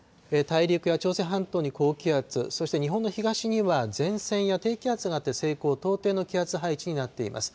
大陸や朝鮮半島に高気圧、そして日本の東には前線や低気圧があって、西高東低の気圧配置になっています。